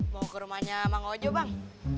mau ke rumahnya bang ojo bang